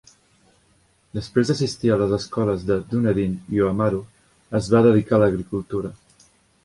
Després d'assistir a les escoles de Dunedin i Oamaru, es va dedicar a l'agricultura.